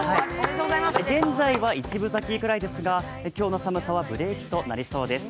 現在は一分咲きぐらいですが、今日の寒さはブレーキとなりそうです。